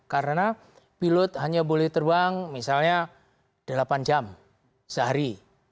karena pilot hanya boleh terbang misalnya delapan jam sehari